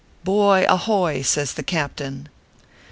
"Boy, ahoy !" says the Captain.